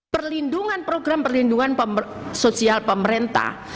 perlindungan program perlindungan sosial pemerintah